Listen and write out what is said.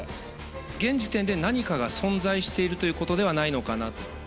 現時点で何かが存在しているということではないのかなと。